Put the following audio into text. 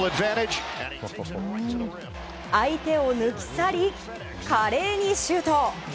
相手を抜き去り華麗にシュート。